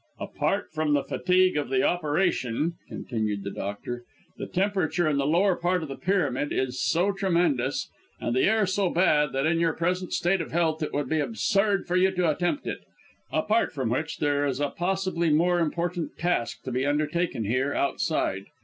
"Apart from the fatigue of the operation," continued the doctor, "the temperature in the lower part of the pyramid is so tremendous, and the air so bad, that in your present state of health it would be absurd for you to attempt it. Apart from which there is a possibly more important task to be undertaken here, outside."